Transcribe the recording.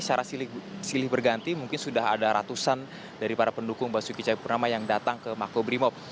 secara silih berganti mungkin sudah ada ratusan dari para pendukung basuki cahayapurnama yang datang ke makobrimob